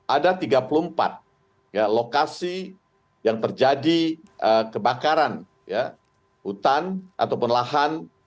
ada tiga puluh empat lokasi yang terjadi kebakaran hutan ataupun lahan